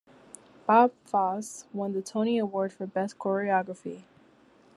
Bob Fosse won the Tony Award for Best Choreography.